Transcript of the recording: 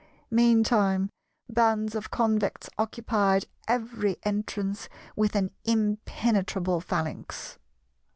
Meantime bands of Convicts occupied every entrance with an impenetrable phalanx.